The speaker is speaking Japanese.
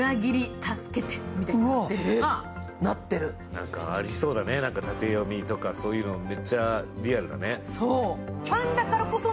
何かありそうだね、縦読みとかめっちゃリアルだね。